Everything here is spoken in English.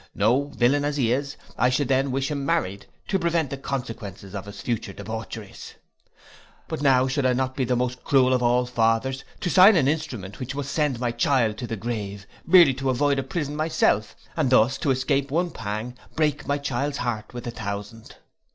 No, villain as he is, I should then wish him married, to prevent the consequences of his future debaucheries. But now should I not be the most cruel of all fathers, to sign an Instrument which must send my child to the grave, merely to avoid a prison myself; and thus to escape one pang, break my child's heart with a thousand?